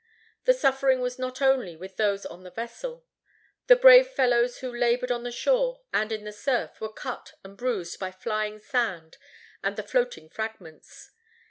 The suffering was not only with those on the vessel. The brave fellows who labored on the shore and in the surf were cut and bruised by flying sand and the floating fragments.